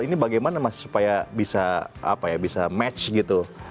ini bagaimana mas supaya bisa apa ya bisa match gitu